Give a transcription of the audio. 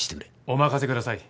お任せください。